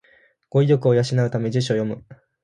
語彙力を養うために辞書を読む